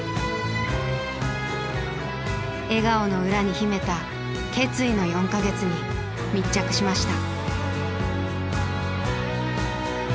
笑顔の裏に秘めた決意の４か月に密着しました。